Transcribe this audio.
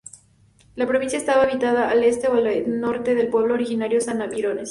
La Provincia estaba habitada al este y al norte por el pueblo originario Sanavirones.